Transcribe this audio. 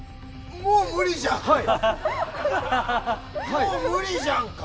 もう無理じゃん。